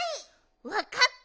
わかった！